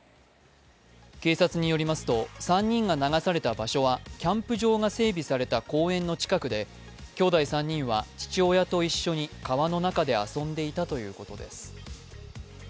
警察によりますと３人が流された場所はキャンプ場が整備された公園の近くで、きょうだい３人は父親と一緒に川の中で遊んでいたということです。